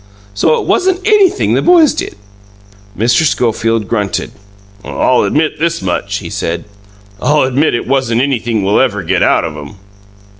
So it wasn't anything the boys did." Mr. Schofield grunted. "I'll admit this much," he said. "I'll admit it wasn't anything we'll ever get out of 'em."